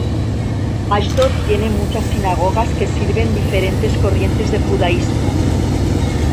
Ashdod tiene muchas sinagogas que sirven diferentes corrientes de judaísmo.